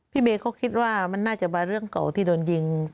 เบย์เขาคิดว่ามันน่าจะมาเรื่องเก่าที่โดนยิง